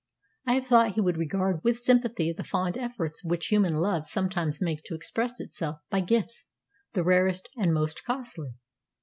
I have thought he would regard with sympathy the fond efforts which human love sometimes makes to express itself by gifts, the rarest and most costly.